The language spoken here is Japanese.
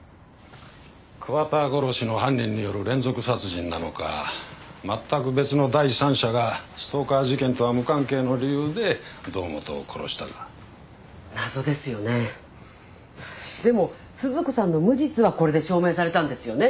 桑田殺しの犯人による連続殺人なのか全く別の第三者がストーカー事件とは無関係の理由で堂本を殺したか謎ですよねでも鈴子さんの無実はこれで証明されたんですよね